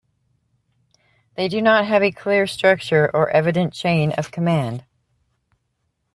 They do not have a clear structure or evident chain of command.